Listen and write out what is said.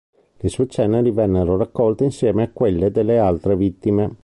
Le sue ceneri vennero raccolte insieme a quelle delle altre vittime.